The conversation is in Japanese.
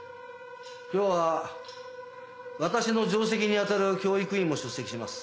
今日は私の上席に当たる教育委員も出席します。